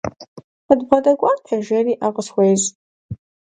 КъыдбгъэдэкӀуатэ, – жери, Ӏэ къысхуещӀ.